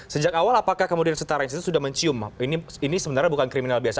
sejak awal apakah kemudian setara instan sudah mencium ini sebenarnya bukan kriminal biasa